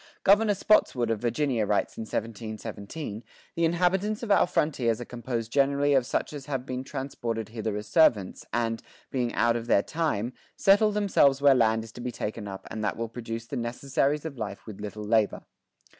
Governor Spotswood of Virginia writes in 1717, "The inhabitants of our frontiers are composed generally of such as have been transported hither as servants, and, being out of their time, settle themselves where land is to be taken up and that will produce the necessarys of life with little labour."